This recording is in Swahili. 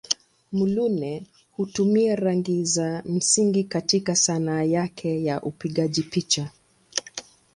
Muluneh hutumia rangi za msingi katika Sanaa yake ya upigaji picha.